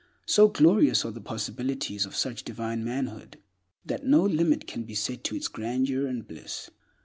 So glorious are the possiblities of such divine manhood, that no limit can be set to its grandeur and bliss.